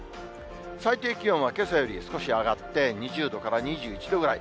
最低気温はけさより少し上がって２０度から２１度くらい。